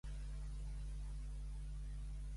A qui vol afegir als contactes de Facebook el pare?